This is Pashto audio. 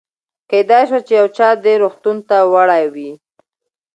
کېدای شوه چې یو چا دې روغتون ته وړی وي.